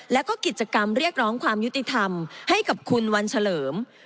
แล้วก็กิจกรรมเรียกร้องความยุติธรรมให้กับคุณวันเฉลิม